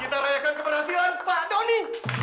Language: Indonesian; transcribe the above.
kita rayakan keberhasilan pak tony